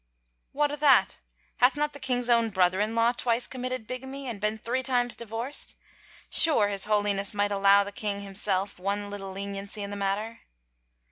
" What o' that ? Hath not the king's own brother in law twice committed bigamy and been three times divorced? Sure his Holiness might allow the king him self one little leniency in the matter."